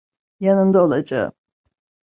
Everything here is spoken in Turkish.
Yanında olacağım.